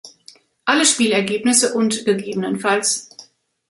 Alle Spielergebnisse und ggf.